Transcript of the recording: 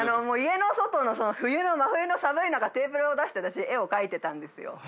家の外の真冬の寒い中テーブルを出して絵を描いてたんですよ。